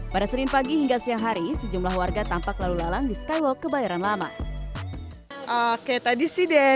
pada senin pagi hingga siang hari sejumlah warga tampak lalu lalang di skywalk kebayoran lama